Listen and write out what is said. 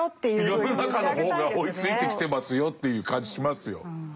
世の中の方が追いついてきてますよという感じしますよ。